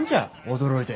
驚いて。